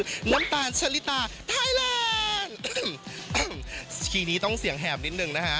น้ำตาลชะลิตาไทยแลนด์ทีนี้ต้องเสียงแหบนิดหนึ่งนะคะ